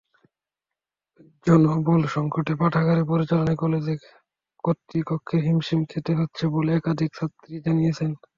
জনবলসংকটে পাঠাগার পরিচালনায় কলেজ কর্তৃপক্ষকে হিমশিম খেতে হচ্ছে বলে একাধিক ছাত্রী জানিয়েছেন।